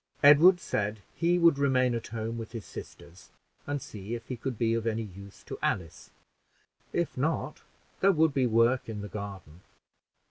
Edward said he would remain at home with his sisters, and see if he could be of any use to Alice; if not, there would be work in the garden.